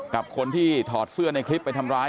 กับคนที่ถอดเสื้อในคลิปไปทำร้าย